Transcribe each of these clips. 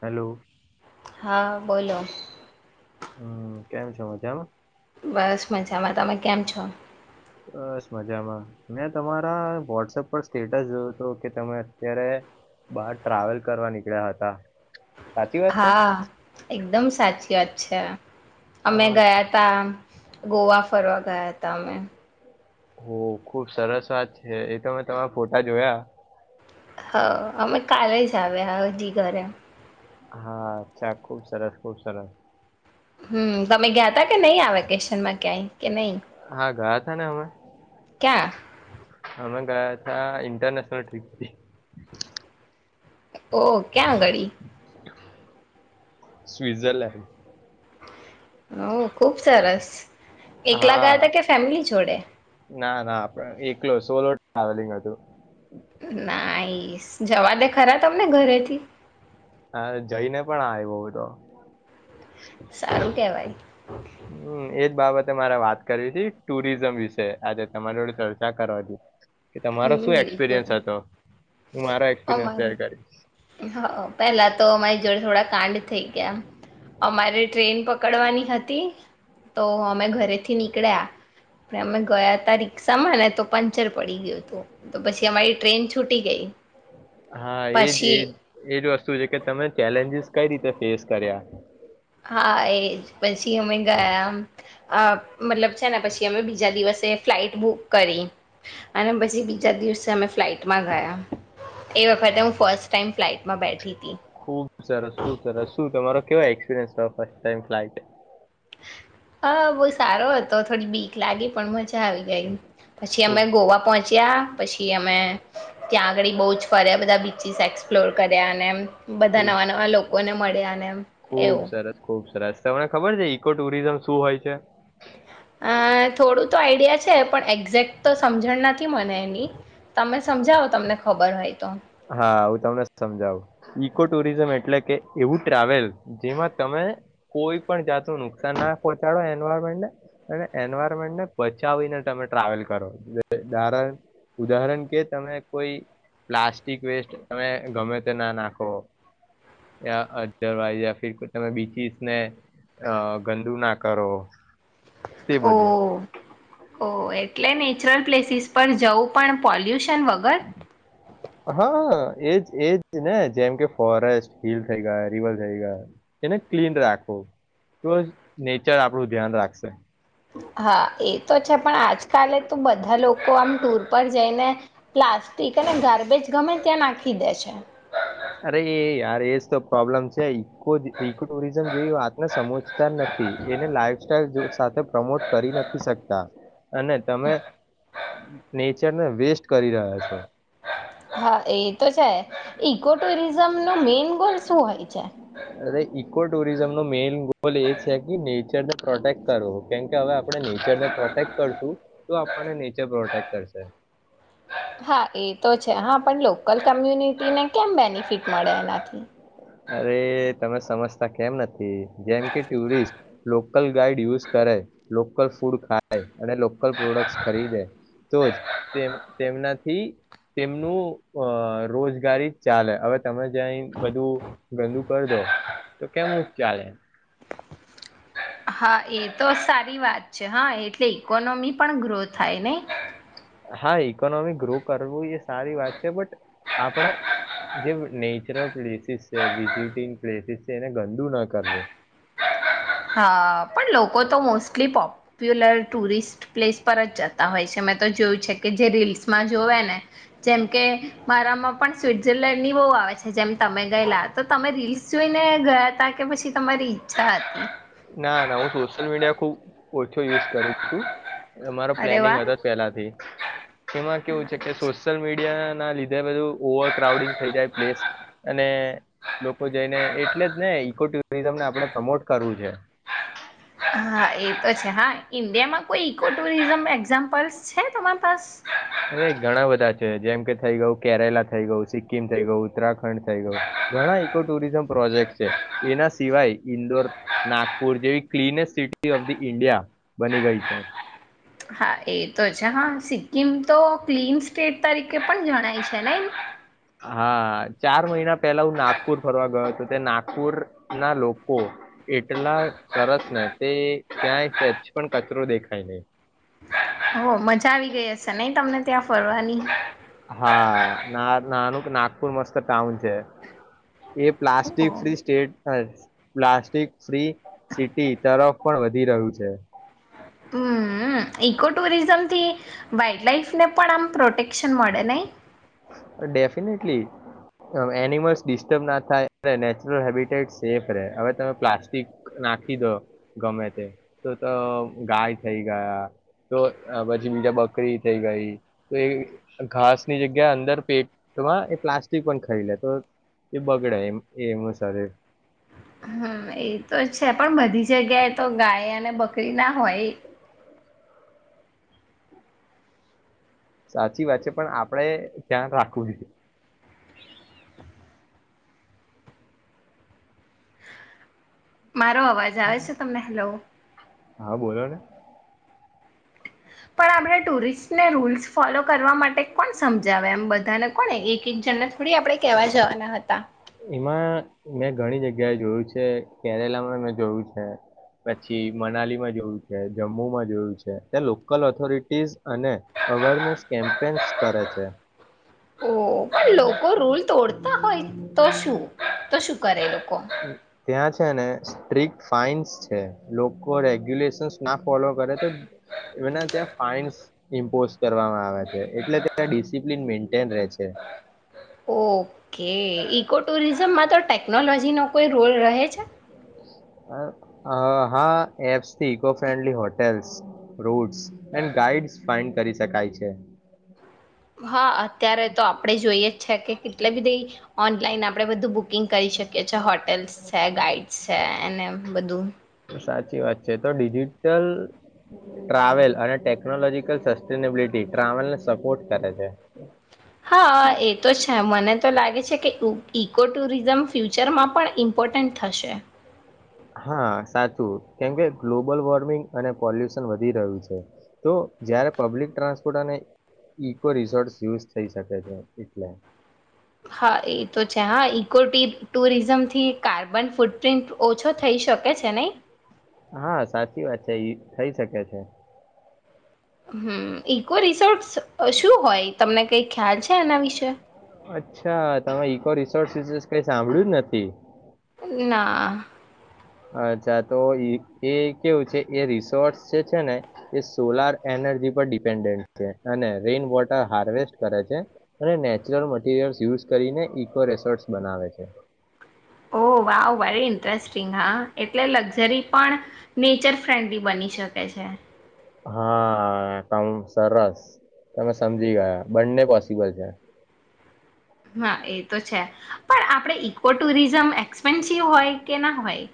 Hello. હા બોલો. હમ કેમ છ મજામાં. બસ મજામાં તમે કેમ છો. બસ મજામાં મેં તમારા વોટસપ પર સ્ટેટસ જોયું હતો કે તમે અત્યારે બાર ટ્રાવેલ કરવા નીકળ્યા હતા. સાચી વાત છે હા એકદમ સાચી વાત છે અ, અમે ગયા ત ગોવા. ફરવાગયા. [inaudible] હો ખુબ સરસ વાત છે એ તો મેં તમારા ફોટા જોયા હ અમે કાલે જ આવ હજી ઘરે. હા ચાપ ખુબ સરસ ખુબ સરસ. હમ તમે ગયા તા કે નહી આ વેકેશન માં ક્યાંય. કે નહી હા ગયા તા ને અમે ક્યાં અમે. International trick. ઓહ ક્યાં ગડી. સ્વિઝરલેન્ડ. હ ખુબ સારસ. એકલા ગયા હા હતા કે ફેમિલી છોડે. ના ના એકલો સોલો ટ્રાવેલિંગ હતું નાઈસ જવા દે ખરા તમને ઘરેથી. હા જઈને પણ આવ તો. સારું કેવાય. રે વાત કરી છે ટુરિઝમ વિશે આજે તમારી જોડ ચર્ચા કરવાથી. કે તમારો શું એક્સપિરિયન્સ હતો. હું મારો એક્સપિરિયન્સ અમાર શેર કરીશ હ પેલા તો અમારી જોડે થોડ થ કાંડ થઈ ગયા અમારે ટ્રેન પકડવાની હતી તો અમે ઘરેથી નીકળ્યા પણ અમે ગયા હતા રિક્ષામાં ને તો પંચર પડી ગયું હતું તો પછી અમારી ટ્રેન છૂટ ટી ગઈ. હા એજ એ એજ વસ્તુ છે કે તમે ચેલેન્જીસ કઈ રીતે ફેસ કર્યા. હા એ પછી અમે ગયા મતલબ છે, ને પછી અમે બીજા દિવસે ફ્લાઇટ બુક કરી અને પછી બીજા દિવસે અમે ફ્લાઈટમાં ગયા એ વખતે હું ફર્સ્ટ ટાઈમ ફ્લાઇટ ખુબ સરસ ખુબ સરસ શું તમારા કેવા એક્સપીરિયન્સ રહો ફર્સ્ટ ટાઈમ ફ્લાઇટ હ બહુ સારો હતો થોડી બીક લાગી પણ મ. ચાલ જાઈ. આવી ગઈ પછી ખૂબ અમે ગોવા પહોંચ્યા પછી અમે ત્યાં આળી બહુ જ ફર્યા બધા બીચિસ એક્સપ્લોર કર્યા અને એમ. બધા ખૂબ નવા નવા સરસ લોકો ને મળ્યા અને ખૂબ એવું. સરસ ખૂબ સરસ તમને ખબર છે ઇકો ટુરિઝમ શું હોય છે. અ થોડું તો આઈડિયા છે પણ એક્ઝેક્ટ તો સમજણ નથી. મને એની તમે સમજાવો તમને ખબર હોય તો હા હું તમને સમજાવું ઈકો ટુરિઝમ એટલે કે એવું ટ્રાવેલ જેમાં તમે કોઈ પણ જાતનું નુકસાન ના પહોંચાડો એન્વાયરમેન્ટને અને એનવાયરમેન્ટને બચાવીને તમે ટ્રાવેલ કરો ઉદાહરણ કે તમે કોઈ પ્લાસ્ટ ટિક વેસ્ટ તમે ગમે તે ના નાખો અવા તમે બીચસ ને ગંદુ ના કરો. તે બધું ઓહ ઓ એક એટલે નેચરલ પ્લેસીસ પર જવું પણ પોલ્યુશ હા. એજ એજ ને જેમ કે ફોરેસ્ટ હિલ થઈ ગાય રિવર થઈ ગાય એને ક્લીન રાખવું તો બ નેચર આપણું ધ્યાન રાખશે. હા એ તો છે પણ આજકાલે તો બધા લોકો આમ ટુર પર જઈને, પ્લાસ્ટિક અને ગાર્બેજ ગમે ત્યાં નાખી દે છે. અરે એ યાર પ્રોબ્લેમ છે ઇ ઇકો ટુરિઝમ જેવી વાતને સમજતા નથી, એને લાઈફ સાઈલ સાથે પ્રમોટ કરી નથી શકતા. અને તમે નેચર ને વેસ્ટ કરી રહ્યા છો. હા એ તો છે ઈકો ટુરિઝમ નો મેન ગોલ શું હોય છે. અરે ઈકો ટુરિઝમ નો મેઈન ગોલ એ છે, કે નેચરને પ્રોટેક્ટ કરવો કેમકે હવે આપણે નેચરને પ્રોટેક્ટ કરશું તો આપણને નેચર પ્રોટેક્ટ કરશે. હા એ તો છે હા પણ લોકલ કોમ્યુનિટીને કેમ બેનિફિટ મળે એનાથી. અરે તમે સમજતા કેમ નથી જેમ કે ટુરિસ્ટ લોકલ ગાઈડ યુઝ કરે લોકલ ફૂડ ખાય. અને લોકલ પ્રોડક્ટ ખરીદે. તો જ તેમનાથી તેમનું અ રોજગારી ચાલે હવે તમે જ બધું ગંદુ કરી દો તો કેમનું ચાલે. હા એ તો સારી વાત છે હા એટલે ઈકોનોમી પણ ગ્રો થાય. ને હા ઈકોનોમી ગ્રો કરવું એ સારી વાત છે બટ આપણા જે નેચરલ પ્લેસીસ છે વિઝિટિંગ પ્લેસીસ છે એને ગંદુ ન કરવું. હા પણ લોકો તો મોસ્ટલી પોપ પુલર ટુરિસ્ટ પ્સ પર જ જતા હોય છે મેં તો જોયું છે કે જે રીલ્સમાં જોવે ને જેમ કે મારામાં પણ સ્વટઝરલેન્ડની બહુ આવે છે જેમ તમે ગયેલા તો તમે રીલ્ જોઈને ગયા હતાા કે પછી તમારી ઈચ્છા હતી. ના ના હું સોશિયલ મીડિયા ખુબ ઓછો યુઝ કરું હતું અમારો અરે પ્લેનિંગ વાહ હતો પહેલાથી એમાં કેવું છે કે સોશિયલ મીડિયા ના લીધે બધું ઓવર ક્રાઉડિંગ થઈ જાય પ્લેસ અને લોકો જઈને એટલે જ ને ઈકો ટુરિઝમ ને આપણે પ્રમોટ કરવું છે હા એ તો છે હા ઇન્ડિયામાં કોઈ ઈકો ટુરિઝમ એક્ઝામ્પલ્સ છે તમારા પાસ અરે ઘણા બધા છે જેમ કે થઈ ગય કેરેલા થઈ ગયું સિક્કિમ થઈ ગયું ઉત્તરાખંડ થઈ ગયું ઘણા ઈકો ટુરિઝમ પ્રોજેક્ટ છે એના સિવાય ઈન્દોર નાગપુર જેવી cleanest city of the India બની ગઈ છે હા એ તો છે હા સિક્કિમ તો ક્લીન સ્ટેટ તરીકે પણ જણાય છે ને એમ હા ચાર મહિના પેલા હું નાગપુર ફરવા ગયો હતોું તે નાગપુર ના લોકો એટલા સરસ ને તે ત્યાંય સછ પણ કચરો દેખાય નહીં હો મજા આવી ગઈ હશે નહી તમને ત્યાં ફરવાની હા ના નાનું કે નાગપુર મસ્ત ટાઉન છે એ પ્લાસ્ટિક ઓહ. ફ્રી સ્ટેટ હ પ્લાસ્ટસ્ટિક ફ્રી્રી સિટી તરફ પણ વધી રહ્યું છે હમ ઈકો ટુરિઝમ થી વાઈલ્ડ લાઈફ ને પણ આમ પ્રોટેક્શન મળે નહ ડેફિનેટલી એનિમલ્સ ડિસ્ટર્બ ના થાય નેચરલ હેબિટેટ સેફ રહે હવે તમે પ્લાસ્ટિક નાખી દો ગમે તે તો તો ગાય થઈ ગયા તો પછી બીજા બકરી થઈ ગઈ તો એ ઘાસની જે અંદર પેટમાં એ પ્લાસ્ટિક પણ ખાઈ લે તો એ બગડે એમ શર એ તો છે પણ બધી જગ્યાએ તો ગાય અને બકરી ના હોય સાચી વાત છે પણ આપણેે ધ્યાન રાખવું જોઈ મારો અવાજ આવે છે તમને હેલો હા બોલો ને પણ આપણે ટુરિસ્ટને રૂલ્સ ફોલો કરવા માટે કોણ સમજાવે એમ બધાને કોને એક એક જણ થોડી આપણે કેહેવા જવાના હતા એમાં મેં ઘણી જગ્યાએ જોયું છે કેરેલામાં મેં જોયું છે પછી મનાલીમાં જોયું છે જમ્મુ માં જોયું છે ત્યા લોકલ ઓથોરિટીસ અને અવેરનેસ કેમ્પેન્સ કરે છે ઓ પણ લોકો રૂલ તોડતા હોય તો શું તો શું કરે લોકો ત્યાં છે ને સ્ટ્રિક્ટ ફાાઈન્સ છે લોકો રેગ્યુલેશનસ ના ફોલો કરે તો એના ત્યાં ફાઈન્સ ઇમ્પોઝ કરવામાં આવે છે એટલે ત્યાં ડિસિપ્લીન મેન્ટેન રહે છે ઓકે ઈકો ટુરિઝમમાં તો ટેકનોલોજી નો કોઈ રોલ રહે છે હા એપ્સ થી eco friendly hotels routes and guide find કરી શકાય છે હા અત્યારે તો આપણેે જોઈએ જ છે કે કેટલી બીધી ઓનલાઈન આપણે બધું બુક બુકિંગ કરી શકીએ છીએ હોટેલ્સ છે ગાઈડ્સ છે એને બધું સાચી વાત છે તો ડિજિટલ ટ્રાવેલ અને ટેકનોલોજીકલ સસ્ટેનેબિલટી ટ્રાવેલ ને સપોર્ટ કરે છે હા એ તો છે મને તો લાગે છે કે ઇકો ટુરિઝમ ફ્યુચરમાં પણ ઇમ્પોર્ટન્ટ થશે હા સાચું કેમકે ગ્લોબલ વોર્મિંગ અને પોલ્યુશન વધી રહ્યું છે તો જયારે પબ્લિક ટ્રાન્સપોર્ટ અને ઈકો રિસોર્સ યુઝ થઈ શકે છે એટલે હા એ તો છે હા ઇકો ટુરિઝમથી કાર્બન ફૂટ પ્રિન્ટ ઓછો થઈ શકે છે નહીં છ થઈ શકે છે હમ ઈકો રિસોર્ટસ શું હોય તમને કઈ ખ્યાલ છે એના વિશે અચ્છા તમે ઈકો રિસોર્સ કઈ સાંભળ્યું જ નથી ના અચ્છા તો એ કેવું છે એ રિસોર્ટસ જે છે ને એ સોલાર એનર્જી પર ડિપેન્ડન્ટ છે અને રેન વોટર હાર્વેસ્ટ કરે છે અને નેચરલ મટીરિયલ્ યુઝ કરીને ઇકો રિસોર્ટસ બનાવે છે ઓહ વાવ વારી ઇન્ટરેસ્ટિંગ હા એટલે લક્ઝરી પણ નેચર ફ્રેન્ડલી બની શકે છે હા કમ સરસ તમે સમજી ગયા બંને પોસિબલ છે હા એ તો છે પણ આપણે ઈકો ટુરિઝમ એક્સપેન્સિવ હોય કે ના હોય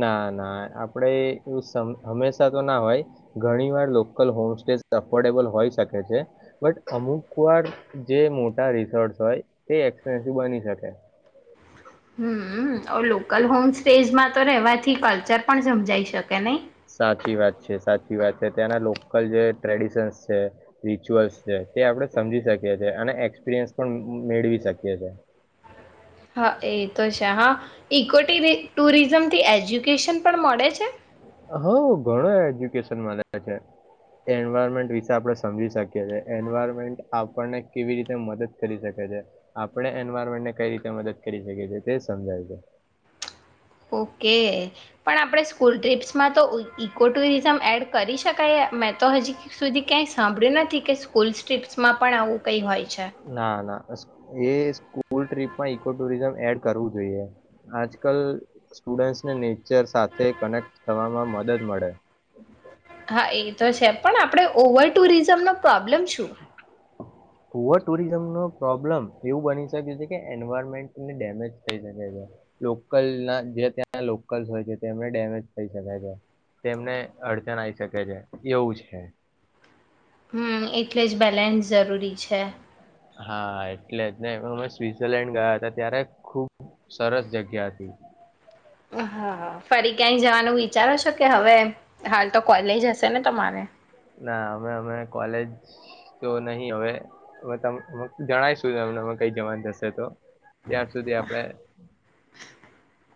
ના ના આપણેે એવું હંમેશા તો ના હોય ઘણી વાર લોકલ હોમ સેસ અફોર્ડેબલ હોય શકે છે બટ અમુક વાર જે મોટા રિસોર્ટ હોય તે એક્સપેન્સિવ બની શકે હમ લોકલ હોમ સ્ટેજમાં તો રહેવાથી કલ્ચર પણ સમજાઈ શકે નહીં સાચી વાત છે સાચી વાત છે ત્યાંના લોકલ જે ટ્રેડિશન્સ છે રિચ્યુઅલ્સ છે તે આપણે સમજી શકીએ છીએ અને એક્સપિરિયન્સ પણ મેળવી શકીએ છે હા એ તો છે હા ઇકોટ ટુરિઝમથી એજુકે વોકેશન પણ મળે છે હા ઘણો એજ્યુકેશનમાં છે એન્વાયરમેન્ટ વિશે આપણે સમજી શકીએીએ એન્વાયરમેન્ટ આપણને કેવી રીતે મદદ કરી શકે છે આપણે એન્વાયરમેન્ટને કઈ રીતે મદદ કરી શકીએ છેએ તે સમજાય છે ઓકે પણ આપણે સ્કૂલ ટ્રીપ્સમાં તો કો ટુરિઝમ એડ કરી શકાય મેં તો હજી સુધી ક્યાંય સાંભળ્યું નથી કે સ્કૂલ ટ્રીપ્સમાં પણ આવું કઈ હોય છે ના ના એ સ્કૂલ ટ્રીપમાં ઈકો ટુરિઝમ એડ કરવું જોઈએ આજકાલ સ્ટુડન્ટસને નેચર સાથે કનેક્ટ થવામાં મદદ મળે હા એ તો છે પણ આપડણે ઓવર ટુરિઝમનો પ્રોબ્ પ્રોબ્લલેમ શુ કુવ ટુરિઝમ ન પ્રોબ્લમ એવું બની શકે છે કે એન્વાયરમેન્ટની ડેમેજ થઈ શકે છે લોકલ ના જે ત્યાં લોકલસ હોય છે તેમને ડેમેજ થઈ શકે છે તેમને અડચણ આઈ શકે છે એવું છે [unintelligible] જરૂરૂરી છે હા એટલે જ ને અમે સ્વઝરલેન્ડ ગયા હતા ત્યારે ખુબ સરસ જગ્યા હતી હા ફરી ક્યાંય જવાનું વિચારો છો કે હવે હાલ તો કોલેજ હશે ને તમારે ના અમે અમે કોલેજ તો નહી હવે હવે જણાયશું અમને અ કઈ જવાનું જશે તો ત્યાં સુધી આપડે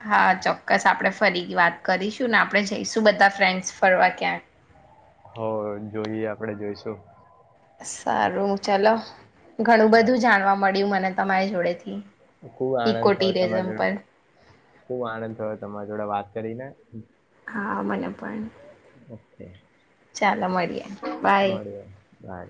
હા ચોક્કસ આપણે ફરી વાત કરીશું ને આપણે જઈશું બધા ફ્રેન્ડ્સ ફરવા ક્યાંય હો જોઈએ આપડે જોઈશું સારું ચાલો ઘણું બધું જાણવા મ પડ્યું મને તમારી જોડેથી ખુબ આનંદ ઇકો થયો તમારી ટુરિઝમ પર જોડે ખુબ આનંદ થયો તમારી જોડે વાત કરીને હા મને પણ ઓકે ચાલો મળીએ બાય મળીએ બાય